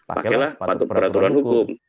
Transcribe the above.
pakailah peraturan hukum